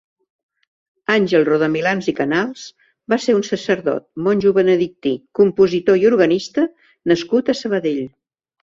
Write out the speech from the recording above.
Àngel Rodamilans i Canals va ser un sacerdot, monjo benedictí, compositor i organista nascut a Sabadell.